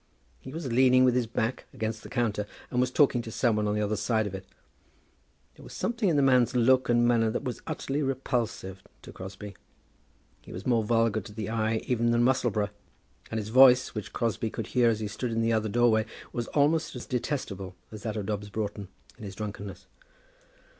He was leaning with his back against the counter, and was talking to some one on the other side of it. There was something in the man's look and manner that was utterly repulsive to Crosbie. He was more vulgar to the eye even than Musselboro, and his voice, which Crosbie could hear as he stood in the other doorway, was almost as detestable as that of Dobbs Broughton in his drunkenness.